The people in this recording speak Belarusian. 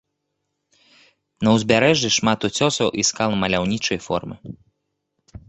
На ўзбярэжжы шмат уцёсаў і скал маляўнічай формы.